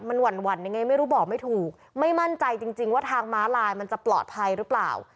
มันหวั่นยังไงไม่รู้บอกไม่ถูกไม่มั่นใจจริงจริงว่าทางม้าลายมันจะปลอดภัยหรือเปล่า